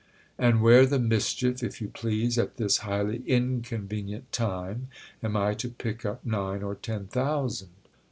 "And where the mischief, if you please, at this highly inconvenient time, am I to pick up nine or ten thousand?"